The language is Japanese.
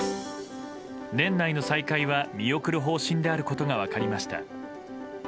年内の再開は見送る方針であることが分かりました。